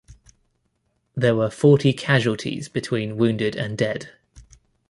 There were forty casualties between wounded and dead.